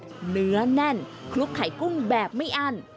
เนื้อแน่นคลุกไข่กุ้งแบบไม่อั้น